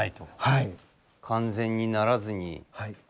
はい。